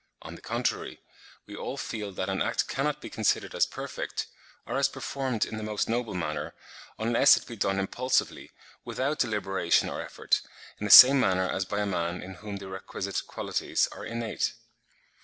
On the contrary, we all feel that an act cannot be considered as perfect, or as performed in the most noble manner, unless it be done impulsively, without deliberation or effort, in the same manner as by a man in whom the requisite qualities are innate.